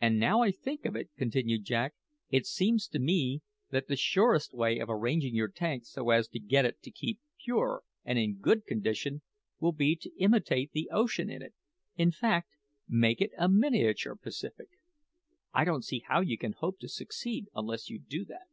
"And, now I think of it," continued Jack, "it seems to me that the surest way of arranging your tank so as to get it to keep pure and in good condition will be to imitate the ocean in it; in fact, make it a miniature Pacific. I don't see how you can hope to succeed unless you do that."